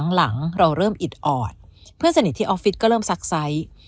หลังเราเริ่มอิดออดเพื่อนสนิทที่ออฟฟิศก็เริ่มซักไซส์